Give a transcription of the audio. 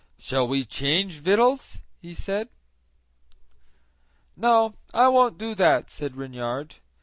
"Shall we change victuals?" he said. "No, I won't do that," said Reynard.